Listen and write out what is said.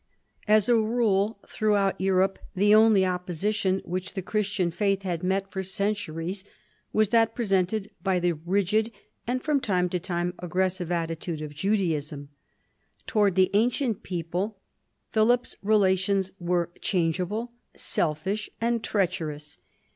As a rule throughout Europe the only opposition which the Christian faith had met for centuries was that presented by the rigid and from time to time aggressive attitude of Judaism. Towards the ancient people Philip's relations were changeable, selfish, and treacherous.